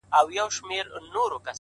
بوډا خپل نکل ته ژاړي نسته غوږ د اورېدلو-